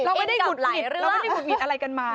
เราไม่ได้หงุดหงิดอะไรกันมา